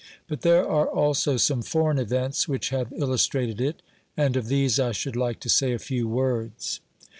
But there are also some foreign events which have illustrated it, and of these I should like to say a few words.